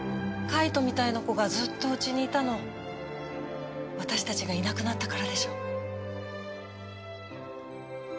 介人みたいな子がずっとうちにいたの私たちがいなくなったからでしょ？